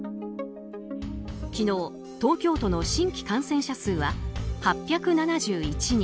昨日、東京都の新規感染者数は８７１人。